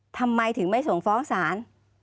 ทำไมถึงไม่ส่งฟ้องศาล